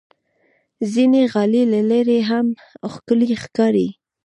ځینې غالۍ له لرې نه هم ښکلي ښکاري.